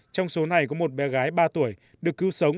trong số này có một bé gái ba tuổi được cứu sống